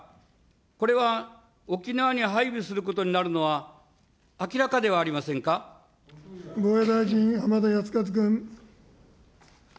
これは沖縄に配備することになる防衛大臣、浜田靖一君。